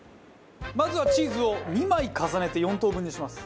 まずはチーズを２枚重ねて４等分にします。